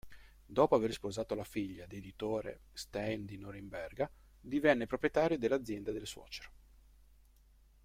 Dopo aver sposato la figlia d'editore Stein di Norimberga, divenne proprietario dell'azienda del suocero.